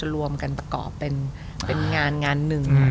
รวมกันประกอบเป็นงานงานหนึ่ง